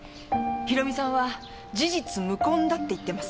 博美さんは事実無根だって言ってます。